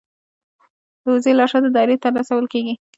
د وزې لاشه د دایرې ته رسول کیږي.